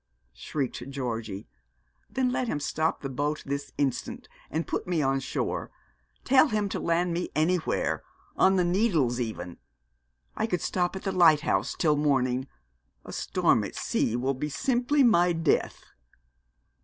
shrieked Georgie. 'Then let him stop the boat this instant and put me on shore. Tell him to land me anywhere on the Needles even. I could stop at the lighthouse till morning. A storm at sea will be simply my death.'